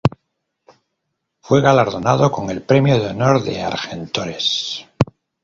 Fue galardonado con el Premio de Honor de Argentores.